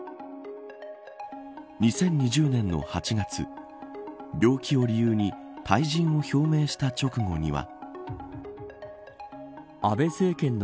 ２０２０年の８月病気を理由に退陣を表明した直後には。